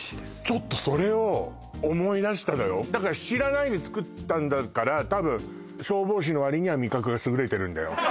ちょっとそれを思い出したのよだから知らないで作ったんだからたぶん消防士のわりには味覚がすぐれてるんだよ